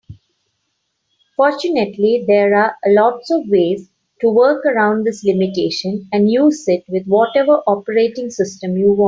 Fortunately, there are lots of ways to work around this limitation and use it with whatever operating system you want.